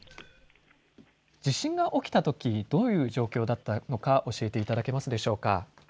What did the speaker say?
地震が起きたときどういう状況だったのか教えていただけますでしょうか。